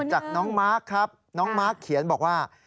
จากน้องมาร์คครับน้องมาร์คเขียนบอกว่า